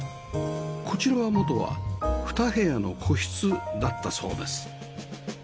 こちらは元は２部屋の個室だったそうです